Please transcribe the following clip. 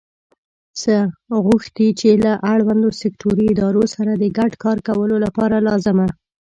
څخه غوښتي چې له اړوندو سکټوري ادارو سره د ګډ کار کولو لپاره لازمه